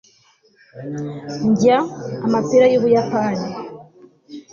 ndya amapera yubuyapani